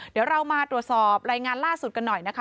เดี๋ยวเรามาตรวจสอบรายงานล่าสุดกันหน่อยนะคะ